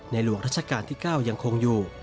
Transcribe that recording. หลวงรัชกาลที่๙ยังคงอยู่